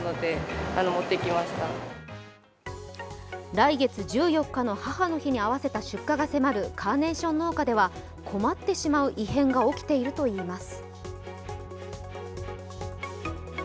来月１４日の母の日に合わせた出荷が迫るカーネーション農家では困ってしまう異変が起きているといいます。